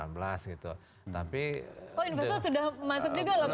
oh investor sudah masuk juga loh ke dua ribu sembilan belas